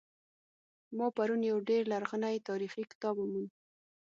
ما پرون یو ډیر لرغنۍتاریخي کتاب وموند